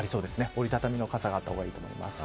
折り畳みの傘があった方がいいと思います。